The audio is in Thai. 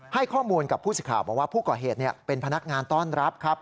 ให้ข้อมูลกับผู้สิทธิ์ข่าวบอกว่าผู้ก่อเหตุเป็นพนักงานต้อนรับครับ